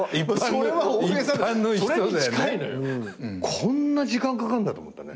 こんな時間かかんだと思ったね